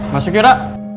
masuk ya ra